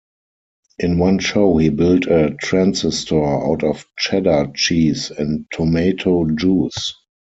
In one show he built a transistor out of cheddar cheese and tomato juice.